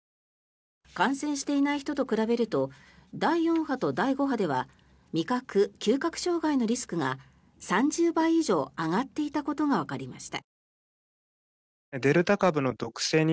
感染していない人と比べると第４波と第５波では味覚・嗅覚障害のリスクが３０倍以上上がっていたことがわかりました。